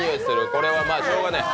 これはしようがない。